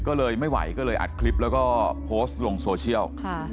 ก็เลยไม่ไหวก็เลยอัดคลิปแล้วก็โพสต์ลงโซเชียล